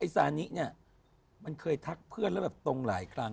ซานิเนี่ยมันเคยทักเพื่อนแล้วแบบตรงหลายครั้ง